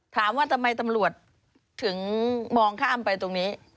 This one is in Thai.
ถามว่าทำไมตำรวจถึงมองข้ามไปตรงนี้